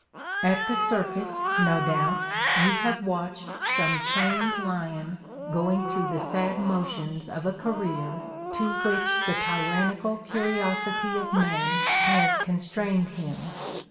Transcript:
AT the circus, no doubt, you have watched some trained lion going through the sad motions of a career to which the tyrannical curiosity of men has constrained him.